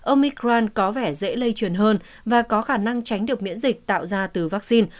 omicron có vẻ dễ lây truyền hơn và có khả năng tránh được miễn dịch tạo ra từ vaccine